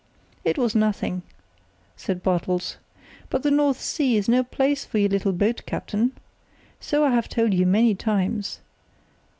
"It was nothing," said Bartels. "But the North Sea is no place for your little boat, captain. So I have told you many times.